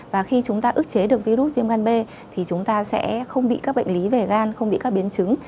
và khi chúng ta ước chế được virus viêm gan b thì chúng ta sẽ không bị các bệnh lý về gan không bị các biến chứng